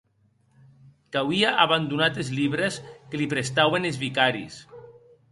Qu’auie abandonat es libres que li prestauen es vicaris.